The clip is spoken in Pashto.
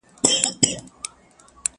له مُسکۍ ښکلي مي خولګۍ غوښته!!